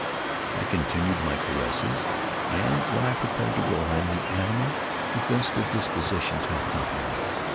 I continued my caresses, and, when I prepared to go home, the animal evinced a disposition to accompany me.